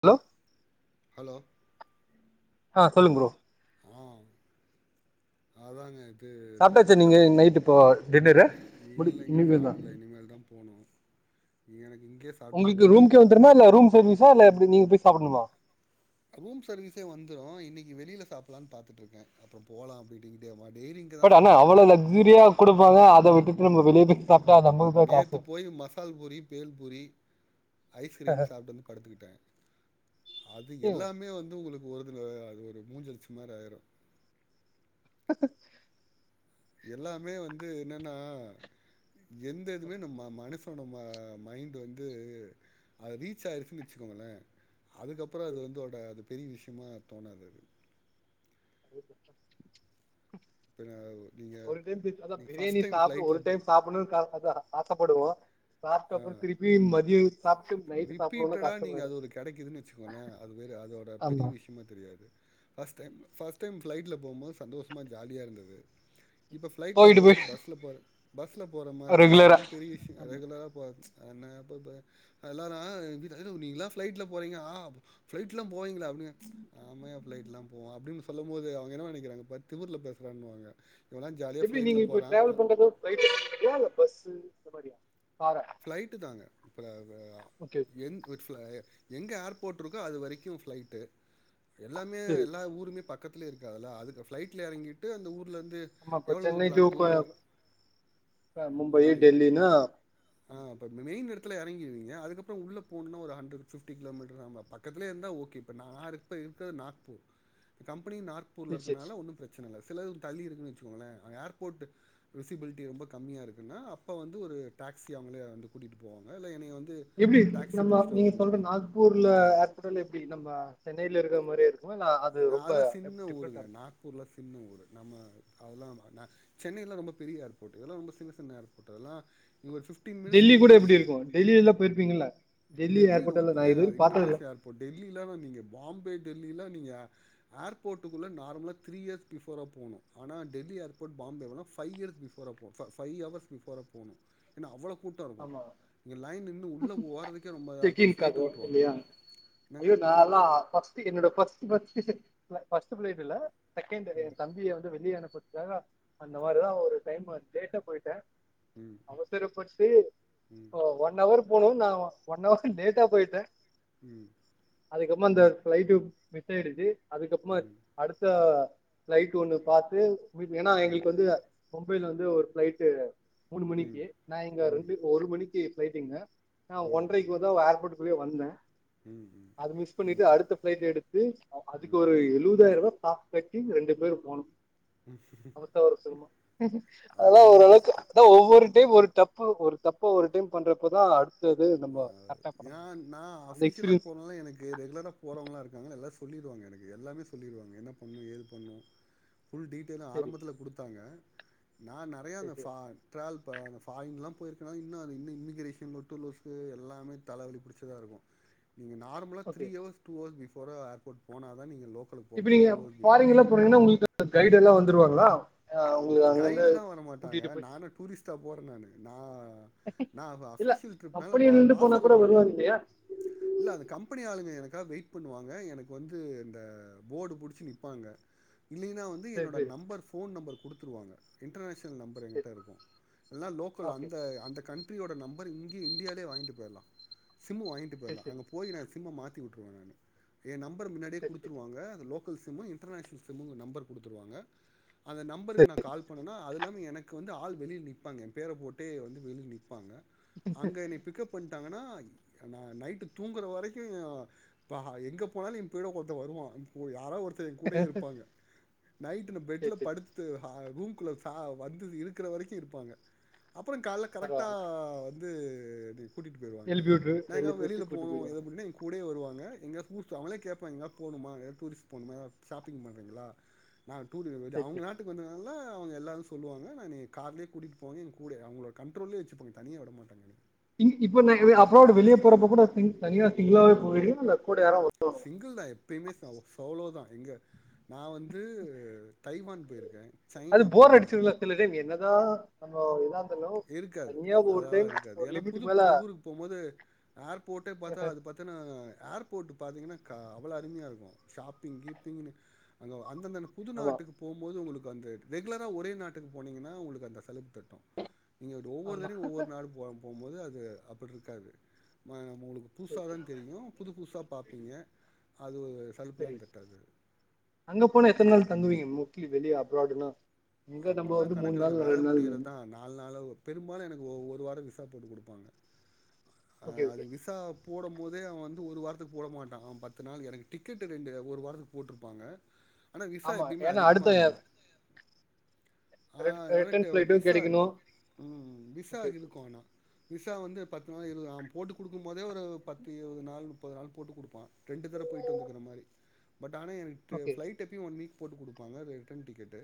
Hello hello ஆஹ சொல்லுங்க bro ஆஹ அதாங்க இப் இது இந்த சாப்ட்டாச்சா நீங்க ஹோட்டல் நைட் இப்போ டின்னரு முடி இல்லைங்க இனிமேதா சாப்பல இனிமேல் தான் போணும் நீங்க உங்களுக்கு ரூம்கே வந்துடுமா இல்ல ரூம் சர்வீஸா இல்ல எப்டி நீ சாப்டணுமா ரூம் சர்வீஸே வந்துரும் இன்னைக்கு வெளியில சாப்பலான்னு பாத்துட்டு இருக்கேன் அப்புறம் போலாம் அப்படமாடிட்டே பட் ஆனா அவ்வள லக்ஜரியா கொடுப்பாங்க அத விட் பட் வெளிய போய் சாப்டு நேத்து போய் மசால் பூரி பேல் பூரி ஐஸ்கிரீம் சாப்ட்டு வந்து படுத்துக்கிட்டேன் அது எல்லாமே வந்து உங்களுக்கு ஒரு இதுல ஒரு மூஞ்சிலடுச்ச மாரி ஆயிரும் [unintelligible] எல்லாமே வந்து என்னன்னா எந்த எதுமே நம்ம மனசோட நம்ம மைண்ட் வந்து அது ரீச் ஆயிருச்சுன்னு வச்சுக்கோங்களே அதுக்கப்புறம் அது வந்தோட அது பெரிய விஷயமா தோணாது அது பன [unintelligible] ஒரு டைம் அதான் பிரியாணி சாப்பிடு ஒரு போ டைம் சாப்பிடணும்னு காரணம் தான் ஆசப்படுவோம் ஆஹ நைட்டு சாப்டணுனா ரிப்பீட்டடா நீங்க கஷ்டமாயிடு அது ஒரு கிடைக்குதுன்னு வச்சுக்கங்களே அது அதோட பெரிய ஆமா விஷயமா தெரியாது பஸ்ட் டைம் ஃபர்ஸ்ட் டைம் ஃபிளைட்ல போகும்போது சந்தோஷமா ஜாலியா இருந்தது இப்ப ஃபிளைட்ல போயிட்டு போய் போறது பஸ்ல போற பஸ்ல போற மாரி இருக்கு அது ரெகுலரா ஒன்னு பெரிய விஷயம் ஆமா. ரெகுலரா ன நீ ஃபிளைட்ள போறீங்க ஆ ஃபிளைட்ள போவீங்களா புன ஆமயா ஃபிளைட்லாம் போவம் அப்டின்னு சொல்லும்போது அவுங்க என்ன நெனைக்குறாங்க பார் திமிர்ல பேசுறான்னுவாங்க இவன்லாம் ஜாலியா எப்டி நீங்க ஃப்ளைட்ல இப்ப போறான். டிராவல் அ பண்றதோ இல்ல பஸ்ஸு [inaudible] ஃபிளைட் தாங்க பல ஓகே என் ஒரு [unintelligible] எங்க ஏர்போர்ட் இருக்கோ அது வரைக்கும் ஃப்ளைட்டு எல்லாமே சரி எல்லா ஊருமே பக் பக்கத்துல இருக்க அதுக்கு ஃபிளைட்ல இறங்கிட்டு அந்த ஊர் ஊர்லேருந்து ஆமா இப்ப எவ்வளோ சென்னை தூரத்தில டூ அடுத்த போ மும்பை டெல்லினா ஆஹ இப்ப மெயின்யிருக் ட்டதுல இறங்கிறீங்க அதுகப்புறோ உள்ள போனும் இன்னு ஒரு ஹண்டர்ட் இல்ல ஃபிட்டி கிலோ மீட்டரு பக்கதுலே இருந்தா ஓகே இப்ப நா இருக்குறது நார்த்து கம் இப்பியு நாக்பூர்ல சிக்ஸ் இருக்கனால ஒன்னும் பிரச்சனை இல்ல சில ஊர் தள்ளி இருக்குதுன்னு வச்சுக்கோங்களேன் ஏர்போர்ட் விசிபிலிட்டி ரொம்ப கம்மியா இருக்குன்னா அப்போ வந்து ஒரு டாக்ஸி அவுங்களே வந்து கூட்டிட்டு போவாங்க இல்ல என்னைய வந்து எப்டி டாக்ஸி நம்ம புடிச்சிட்டு வர நீங்க சொல்ற சொல்லிருவாங்க நாக்பூர்ல ஏர்போர்ட் எப்டி ப்படி நம்ம சென்னையில இருக்க மாரியே இருக்கு இருக்குமா இல்ல அது நா ரொம்ப அதுல சின்ன டிஃப்ரெண்டா ஊருங்க நாக்பூர்ல சின்ன ஊரு நம்ம அதெல்லாம் ந சென்னை எல்லாம் ரொம்ப பெரிய ஏர்போர்ட் இதெல்லாம் ரொம்ப சின்ன சின்ன ஏர்போர்ட் அதெல்லாம் டெல்லி கூட எப்டி இருக்கும் டெல்லி எல்லாம் போயிருப்பீங்களா டெல்லி ரொம்‌ அது இன்டர்நேஷனல் ஏர்போர்ட் டெல்லில நீங்க பாம்பே டெல்லி இல்ல நீங்க ஏர்போட்டுக்குள்ள நார்மலா த்ரீயர்ஸ் ஃபிபோரா பயனும் ஆனா டெல்லி ஏர்போர்ட் பயந்தவங்க ஃப்ஐயர்ஸ் பிபோரா போனும் ஃப்ஐ அவர்ஸ் ஃபிபோரா போனும் ஏன்னா அவளோ கூட்டம் இருக்கும் இங்க லைன் இன்ன உள்ள போறதுக் செக்கின் கது இல்லையா என்னங்க ஐயோ நான்ல்லாம் பஸ் என்னோட பஸ்ட் பஸ்ட் பிளேட் இல்ல தக்கந்திர தம்பி வெளியே எனப்பக்காங்க அந்த மாதிரிதான் ஒரு டைம் லேட்ட போயிட்டேன் ம் அவசரப்பட் ம் உம் ஒன் அவர் போகனும் நான் ஒன்வர் லேட்டா போயிட்டேன் உம் அதுக்கப்புற அந்த பிளைட் மிஸ் ஆயிடுச்சு அதுக்கப்புறமா ம் அடுத்த பிளைட் ஒண்ணு பாத்து ஏன்னா ம் எங்களுக்கு வந்து மும்பைல வந்து ஒரு பிளைட்டு மூணு ம் மணிக்கு நை க ம் ம் ரெண்டு ஒரு மணி ஜி போய்ட்டிங்களா நான் ம் ஒண்ரைக்கு‌ வந்த ஏற்போட்டு இப்டியே வந்தேன் ம் ம் அது மிஸ் ம் பண்ணிட்டு அடுத்த பிளைட் எடுத்து அதுக்கு ம் ஒரு எழுவதாயிரம் ரூபா சாப்ப கட்டி ரெண்டு பேர் போகணும் ஆட்டோ வர சொல்லுமா அது அதான் ரொம்ப ஓரளவுக்கு ரிஸ்க் அதான் ஒவ்வொரு டைம் ஒரு அப்ப ஒரு தப்ப ஒரு டீம் பண்றப்போதான் அடு ஏ நான் அந்த அஃபிசியல்ல எக்ஸ்பீரியன்ஸ் போனாலே எனக்கு ரெகுலரா போரவங்களாம் இருக்காங்க நல்லா செய் சொல்லிடுவாங்க எனக்கு எல்லாமே சொல்லிருவாங்க என்ன பண்ணும் ஏது பண்ணும் ஃபுல் டீட்டெயிலும் சரி ஆரம்பத்துத்ல குடுத்தாங்க நான் நெறைய சரி சரி டிராவல் இப்ப பாரின்லாம் போயிருக்கன இன்னும் இம்மிகிரேஷன் லொட்டு லொசுக்கு எல்லாமே தலவலி பிடிச்சதா இருக்கும் நீங்க நார்மலா ஓகே திரிஹவர் டூ ஹவர் பிஸ் போற ஏர்போர்ட் போனாதான் நீங்க லோ இப்ப நீங்க பாரின் போறீங்கன்னா உங்களுக்கு கைட் எல்லாம் வந்துருவாங்களா ஆ உங்களுக்கு அங்கருந்து கைட்ல்லாம் வர மாட்டாங்க கூட்டிட்டு போய் நானு டூரிஸ்டா போறன் நானு நா இல்ல அஃபிசியல் ட்ரிப்னால கம்பெனில இருந்து போனா கூட வாசல்ல வருவாங்க நிப்பாங்க இல்லையா இல்ல அந்த கம்பெனி ஆளுங்க எனக்கு எனக்காக வெயிட் பண்ணுவாங்க எனக்கு வந்து இந்த போர்டு புடிச்சி நிப்பாங்க இல்லைன்னா வந்து சரி என்னட சரி நம்பர் போன் நம்பர் குடுத்துருவாங்க இன்டர்நேஷனல் நம்பர் சரி என்கிட்ட இருக்கும் எல்லாம் லோக்கல் ஓகே அந்த அந்த கண்ரியோட நம்பர் இங்கே இன்டியாலே வாங்கிட்டு போயிடலாம் சிம் வாங்கிட்டு சரி போய்லாம் சரி அங்க சரி போய் நான் சிம்ம மாற் விட்டுருவேன் நான் என் நம்பர் முன்னாடியே சரி கொடுத்துருவாங்க local sim international sim number குடுத்துருவாங்க அந்த நம்பர் சரி நான் கால் பண்ணோ அதுல்லாமே எனக்கு வந்து ஆள் வெளில நிற்பாங்க என் பேரை போட்டே வந்து வெளியில் நிற்பாங்க அங்க என்ன பிக்கப் பண்ணி ங்னா நைட்டு தூங்குற வரைக்கும் எங்க போனாலும் என் பின்னாடியே ஒருத்தன் கூட வருவான் யாராவ ஒருத்தர் கூட இருப்பாங்க நைட்டுனு சரி பெட்டில சரி படுத் ஹா ரூம்குள்ள வந்து இருக்கிற வரைக்கும் இருப்பாங்க அப்புறம் கால்ல கரெக்டா பரவால்ல வந்து அது கூட்டிட்டு போயிருவாங்க எழுப்பி விட்டு நா எங்கயது எழுப்பி விட்டு வெளில கூட்டு போயிடுவாங்க போனோம்ன கூடே வருவாங் ஏ எங்க டூர் போ அவுங்கலோ கேப்பாங்க எங்கயவுது போகனும் மா எங்கயாவுது டூர் போனும்மா ஷாப்பிங் பண்றீங்களா நா டூரி வந்துட்டு சரி அவங்க சரி அதனால அவங்கல்லாரும் சொல்லுவாங்க நீ கார்லயே கூட்டிட்டு போங்க கூட அவங்களோட கண்ட்ரோலயே வச்சுப்பாங்க தனியா விட மாட்டாங்கன்னு இப்ப ந அப்புறடு வெளிய போறப்போ கூட தனியா சிங்களாவே போய்டு கூட யாரும் வரு சிங்கிள் தான் எப்பயுமே சோலோதான் இங்க நான் வந்து தைமான் போயிருக்கேன் அது சைனா போர் போயிருக்கேன். அடிச்ச இதுல்ல சிலது என்னதா [unintelligible] இருக்காது தனியா ஒரு அதெலாம் டைம் இருக்காது ஒரு ஏன்னா புது லிமிட்டுக்கு மேல புது ஊருக்கு போம்போது ஏர்போட்டே பாத்தா அது பாத்தன்னா ஏர்போட்ட் பாத்தீங்கன்னா க அவ்ளோ அருமையா இருக்கும் ஷாப்பிங் கீப்பிங்ன்னு அங்கே அந்தந்த புது ஆமா நாட்டுக்கு போம்போது உங்களுக்கு ரெகுலரா ஒரே நாட்டுக்கு போனீங்கன்னா உங்களுக்கு அந்த சலுப்பு தட்டும் நீங்க ஆமா ஒவ்வொருதடயும் ஒவ்வருநாளு நாடு போம்போது அ அப்டி இருக்காது ஆஹ உங்களுக்கு சரி புதுசாதான் தெரியும் புது புசா பாப்பீங்க அது ஒரு சரி சலுப்புலாம்தட்டாது மூக்கிலி வெளிய அப்ராடுன அப்டில்லாம் கணக்கலங்க வேல முடிகறதான் நாலு நாள் பெரும்பாலும் எனக்கு ஒ ஒரு வாரம் விசா போட்டு குடுப்பாங்க ஆஹ ஓகே ஓகே அது விசா போடும் போதே அவன் வந்து ஒரு வாரத்துக்கு போட மாட்டான் அவன் பத்து நாள் எனக்கு டிக்கெட்டு் ரெண்டு ஒரு வாரத்துக்கு போட்டிருப்பாங்க ஆனா விசா ஆமா எப்பயுமே ஏன்னா அதிகமா அடுத்த இருக்கும் ஆஹ என ரிட்டன் ட்ட ஃபிளைட்டு விசா கெடைக்கணு இருக்கும் உம் விசா ஓகே ஓகே இருக்கும் ஆனா விசா வந்து பத்து போட்டு குடுக்கும் போதே ஒரு பத்து இருபது நாள் முப்பது நாள் போட்டுக் குடுப்பான் ரெண்டு தர போயிட்டு வந்துக்கிற மாரி பட் ஆனா எனக்கு ஓகே ஃப்ளைட் எப்பயும் ஒன்னு போட்டு குடுப்பாங்க அது ரிட்டர்ன் டிக்கெட்டு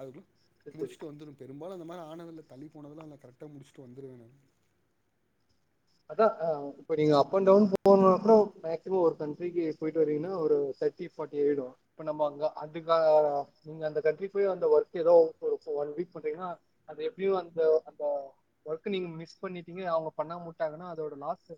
அதுக்குள் சரி சரி முடிச்சுட்டு வந்துரும் பெரும்பாலும் அந்த அ மாரி கானதல்ல தள்ளி போனதெல்லாம் நல்ல கரெக்டா முடிச்சுட்டு வந்துருவேனு நா அதா இப்ப நீங்க அப்பன் டவுன் போனுமுன்னு மேக்சிமம் ஒரு கண்ட்ரிக்கு போயிட்டு வறிங்கனா ஒரு தெட்டி ஃபார்ட்டி ஆயிடும் இப்ப நம்ம அங்க அதுக்க அந்த கண்ட்ரி போய் அந்த ஒர்க் ஏதோ ஒண் வீக் பண்றிங்கனா அது எப்பயும் அந்த அந்த ஒர்க் நீங்க மிஸ் பண்ணிட்டிங்க அவங்க பண்ண [unintelligible] அதோட லாஸ்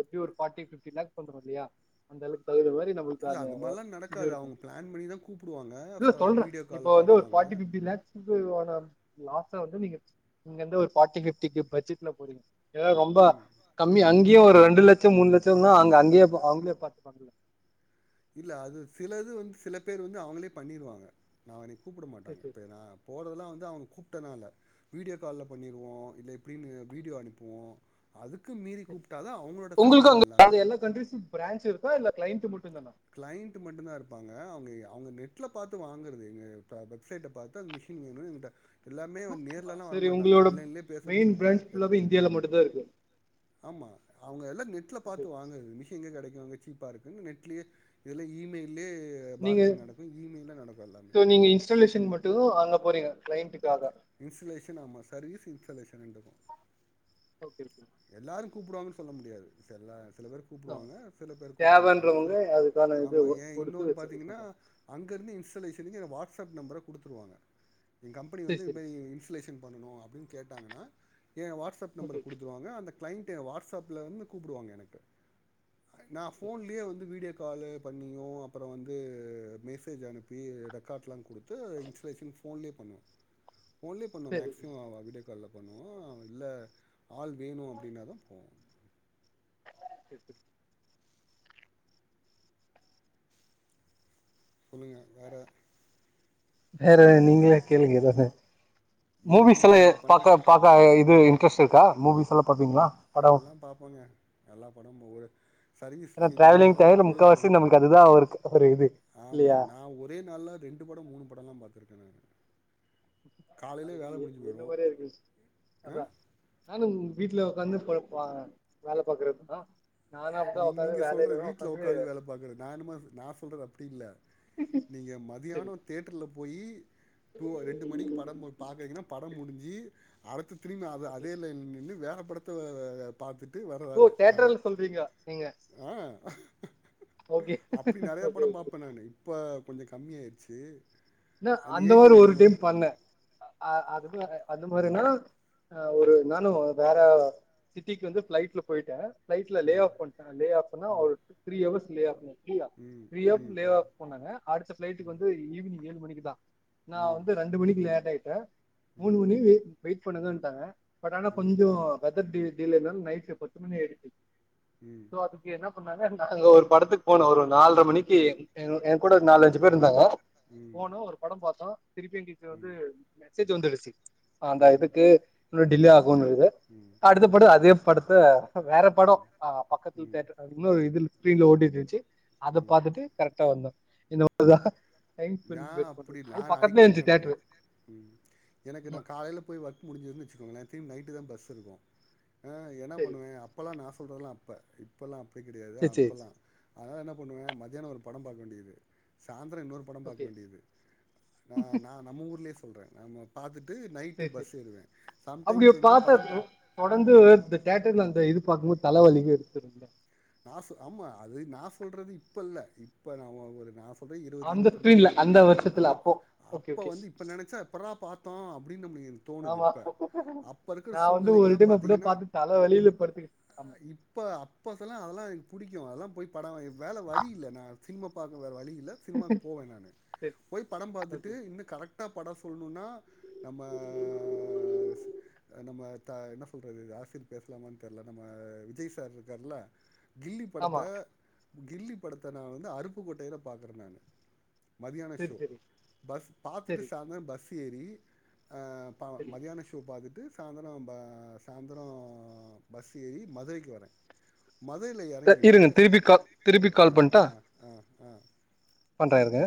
எப்டியு ஒரு ஃபார்ட்டி ஃபிப்டி லாக்ஸ் கொண்டு வருவியா அந்த அளவுக்கு கொ இல்ல அந்த மாரிலாம் நடக்காது அவங்க பிளான் பண்ணிதான் கூப்பிடுவாங்க இல்ல வீடியோ கால்ல காட்டுவாங்க [unintelligible] லாஸ்டா வந்து நீங்க ஒரு ஃபார்டி ஃபிப்டிக்கு பட்ஜெட்ல போறீங்க ஏ ரொம்ப ம் அம்மி அங்கேயே ஒரு ரெண்டு லட்சம் மூணு லட்சம்னா அங்க அங்கயே அவங்களே பாரத்து பா இல்ல அது சிலது வந்து சில பேர் வந்து அவங்களே பண்ணிருவாங்க நான் கூப்பிட சரி மாட்டாங்க சரி இப்ப போறதல்லாம் வந்து அவங்க கூப்பிட்டன இல்ல வீடியோ கால்ல பண்ணிருவோம் இல்ல இப்படின்னு வீடியோ அனுப்புவோம் அதுக் மீறி சரி. கூப்பிட்டாத அவங்களோட செலவு தான் எல்லாமே ஆ இல்ல க்ளைண்ட் மட்டும் தானா? கிளைண்ட் மட்டும்தான் இரு ப்பாங்க அவங்க அவங்க நெட்ல பார்த்து வாங்குறது எங்க வெப்சைட் பார்த்தா அ மிஷின் னும் சேரி உங்களோட மெயின் பிராஞ் பேசுறது எல்லாமே இந்தியால மட்டும் தான் இருக்கு ஆமா அவங்க எல்லாம் நெட்ல ஓகே. பார்த்து வாங்கறது மிஷன் எங்க கிடைக் அவங்க சீப்பா இருக்கு நெட்லயே இதெல்லாம் இமெயில் லே நீங்க பார்கின் நடக்கும் ஈவினிங் நா நடக்கும் எல்லாமே சோ நீங்க இன்ஸ்டாலேஷன் மட்டும் அங்க போறீங்க கிளைண்டுக்காக இன்சுலேஷன் ஆமா சர்வீஸ் இன்சுலேஷன் க்கும் ஓகே ஓகே. எல்லாரும் கூப்பிடுவாங்க சொல்ல முடியாது சேரில சில பேர் ஆ கூப்பிடுவாங்க சில பேர் கூப்பிட மாட்டாங்க சில தேவன்றவங்க அதுக்கான இது ஆமா ஏன் குடுத்து இன்னொணு பாத்தீங்கன்னா சரி அங்க இருந்து இன்சோலேசனுக்கு வாட்ஸா வாட்ஸ்அப் நம்பர கொடுத்துருவாங்க என் கம்பெனி வந்து இந்த சரி. இன்ஸ்சுலேஷன் பண்ணணும் அப்படின்னு கேட்டாங்கன்னா என் வாட்ஸ்அப் நம்பர ஓகே. குடுத் அந்த கிளைண்ட் வாட்ஸ்அப்ல இருந்து கூப்பிடுவாங்க எனக் நான் போன்லயே வந்து வீடியோ கால் பண்ணியும் அப்பறம் வந்து மெசேஜ் அனுப்பி ரெக்கார்ட்லாம் கொடுத்து இன்ஸலேஷன் போன்லேயே பண்ணுவோ போன்லே பண்ணு சேரி மேக்சிமம் விடியோ கால்ல பண்ணுவோம் இல்ல ஆள் வேணும் அப்படின்னாதான் போவோ [inaudible] சொல்லுங்க வேற வேற நீங்க உங்க நீங்களே கேள்வி எதா இருந்தாலும் எனக்கு மூவிஸ் இந்த நீங்க எல்லாம் பண்ற பாக்க பார்க்க இது இன்ட்ரெஸ்ட் இருக்கா மூவிஸ் எல்லா பாப்பீங்களா படோ எல்லாம் பார்ப்போங்க எல்லா படம் ஒரு சர்வீஸ் ஏன்னா ட்ராவெல்லிங் ஃபீல்டுனால டைம்ல பொழுது போல முக்கவாசி நமக்கு அதுதான் இருக்கு ஆமா நா ஒரே நாள்ல ரெண்டு படம் மூணு படம் எல்லாம் பார் த்திருக்கேன் நா அது என்ன மாரியே இருக்கு ஆ அதான் நானும் வீட்டுல உட்காந்து வேலை பார்குறதுதான் நீங்க நீங்க சொல்ற வீடல உக்காந்து வேலை பாக்குறது நான் என்னமா நான் சொல்ற அப்படி இல்ல நீங்க சரி மத்தியான் தெட்டர்லா போய் ரெண்டு மணிக்கு படம் பாக்குறீங்கன்னா பட முடிஞ்சு அடுத்த திரும்ப அதே லையனுல நின்று வேற பட பார்த்துட்டு வர ஆளு நான ங்கா நீங்க ஓகே அப்படி நிறைய ஓகே படம் ஓகே பாரப்பேன் நான்னு இப்ப கொஞ்சம் கம்மிய ஆயிடுச்சு என் அந்த மாதிரி ஒரு டைம் பண்ணன் அது அது மாதினா ஆஹ் ஒரு ம், நானும் வேற சிட்டிக்கு வந்து பிளைட்ல போயிட்டேன் பில லே ம், ஆப் ப ம், ஒரு த்ரி ஹவர்ஸ் லே ம், ம், ஆப் பண்ணாங்க அடுத்த ம், பிளைட்டுக்கு ம், வந்துஈவினிங் ஏழு மணிக்கு தான் நான் ம், வந்து ரெண்டு மணிக்கு லேன் ஆயேன் கா மூனு ம், மணி பண்ணுத இருந்தேன் பட் ஆனா ம், கொஞ்சம் வெதர் இருாலும் நைட் பத்து மணி ஆடுச்ச ம், சோ அதுக்கு என்ன நாங்க ஒரு படத்துக்கு போனோம் ஒரு நாலரை மணிக்கு என ம், கூட நாலு அஞ்சு பேர் இருந்தாங்க ம், போணும் ஒரு படம் பார்த்தோம் திருப்பி எங்கீச்ச வந்து ம், சீட் வந்துருச்சு அந்த ம். இதுக்கு இன்னும் ம் டிலே ஆகும்ன்னுது ம் அடுத்தபடி அதே படுத்தா வேற ம் படம் அஹ பக்கத்து ம் தேடர்ல இன்னொரு இது ஸ்கிரீன்ல ஒடிதிருச்சு அத ம் பாத்து ட்டு கரெக்டா வந்தோம் இன்னதா எங் யான் அப்படி நான் அடிக்கடி நடக்கும் உம் எனக்கு நான் காலைல போய் ஒர்க் முடிஞ்துன்னு வச்சுக்கோங்களேன் நைட்டு தான் பஸ் இருக்கும் ஆஹ் என்ன சரி பண்ணுவேன் அப்பெல்லாம் நா சொல்றலாம் அப்ப இப்பல்லாம் அப்ப டி கிடையாது சரி சரி அப்பல்லாம் அதனால என்ன பண்ணுவேன் மத்தியானம் ஒரு படம் பாக்க வேண்டியது சாயந்திரம் இன்னொரு படம் ஓகே வேண்டியது நா நான் நம்ம ஊர்லே சொல்றேன் நம்ம பாத்துட் டு நைட்டு சரி சரி பஸ் ஏறுவேன் அப்படி சம்டைம்ஸ் வந்து படம் ப ல இது அந்த இது பாக்கும் போது தலவலி எடுத்துடுங்க நான் சொ ஆமா அது நான் சொல்றது இப்ப இல்ல இப்ப நம ஒரு நான் சொ இருபது அந்த ஸ்க்ரீன்ல இருபத்திமூனு அந்த வருஷத்துல அந்த அப்போ ஓகே அப்ப ஓகே வந்து இப்ப நினைச்சா எப்படறா பாத்தோம் அப்படினு தோனுது ஆமா இப்ப அப்ப இருக்க நான் வந்து சூழ்நிலைக்கு ஒரு எல்லாம் டைம் அப்படியே பாத்தீங்கனா பார்த்து தலை வலியில படுத்துக்கிட்டேன் ஆமா இப்ப அப்ப எல்லா எனக்கு பிடிக்கும் அதெல்லாம் போய் படம் வேல வழி இல்லண்ணா சினிமா பாக்க வேற வழி இல் ல சினிமாக்கு போவேன் நான் சரி போய் படம் பாத்துட்டு ஓகே இன்னும் கரெக்ட் கரெட்டா படம் சொல்லணுன்னா நம்ம நம்ம த என்ன சொல்றது அரசியல் பேசலாமான்னு தெரில நம்ம விஜய் சார் இருக்கார்ல கில்லி படத்த ஆமா கில்லி படத்த நான் வந்து அருப்புக்கோட்டையில பாக்குறேன் நானு மதியான சரி ஷோ சரி பஸ் பார்த்துட்டு சரி சாயந்தரம் பஸ் சேரி ப சரி மதியானம் ஷோ பாத்துட்டு சாயந்தரம் ப சாயந்தரம் பஸ் ஏறி மதுரைக்கு வரேன் மதுரையில எறங்கிட்டு இருங்க திருப்பி க திருப்பி கால் பண்ணட்டா ஆஹ் பண்றேன் இருங்க